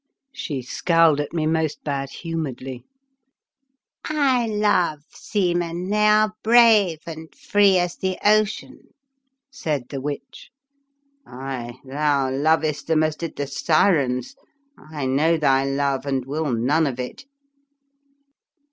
She scowled at me most bad humonr edly. " I love seamen, they are brave and free as the ocean, '' said the witch. " Aye, thou lovest them as did the Syrens. I know thy love and will none of it."